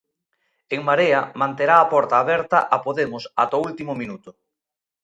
En Marea manterá a porta aberta a Podemos ata o último minuto.